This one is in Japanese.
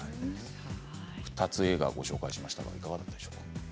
２つ映画をご紹介しましたがいかがだったでしょうか？